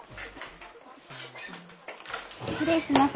失礼します。